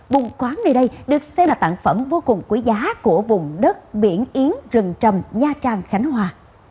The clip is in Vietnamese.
bùng khoáng này được xem là tạng phẩm vô cùng quý giá của vùng đất biển yến rừng trầm nha trang khánh hòa